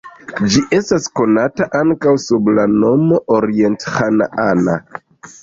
Ĝi estas konata ankaŭ sub la nomo orient-ĥanaana.